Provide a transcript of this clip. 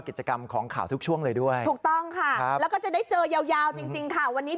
กิจกรรมของข่าวทุกช่วงเลยด้วยคือต้องค่ะเราก็จะได้เจอยาวจริงค่ะวันนี้